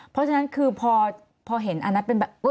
เพราะฉะนั้นคือพอเห็นอันนั้น